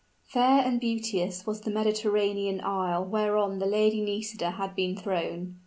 Fair and beauteous was the Mediterranean isle whereon the Lady Nisida had been thrown.